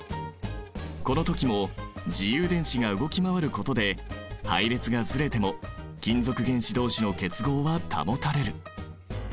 この時も自由電子が動き回ることで配列がずれても金属原子どうしの結合は保たれる。